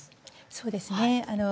そうですね。